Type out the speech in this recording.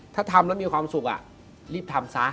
ถ้าทำแล้วมีความสุขรีบทำซะ